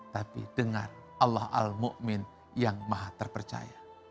tapi dengar allah al mu'min yang maha terpercaya